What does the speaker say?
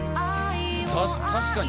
確かに。